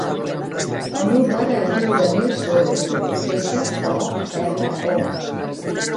El meu pare es diu Daniel Soro: essa, o, erra, o.